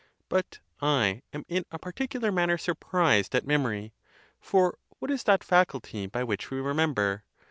But I am in a particular manner sur prised at memory. For what is that faculty by which we remember?